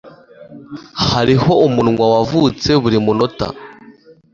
Hariho umunwa wavutse buri munota.